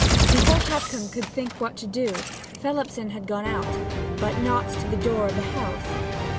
Before Tupcombe could think what to do, Phelipson had gone on; but not to the door of the house.